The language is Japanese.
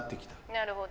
なるほど。